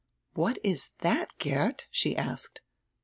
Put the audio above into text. "What is diat, Geert?" she asked.